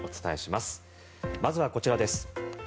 まずはこちらです。